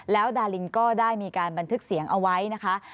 แล้วดารินก็ได้มีการบันทึกเสียงเอาไว้นะคะ